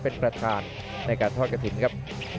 เป็นประธานในการทอดกระถิ่นครับ